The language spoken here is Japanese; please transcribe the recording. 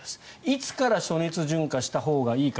いつから暑熱順化したほうがいいか。